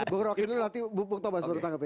gue kerokin dulu nanti bupuk tobas bertanggap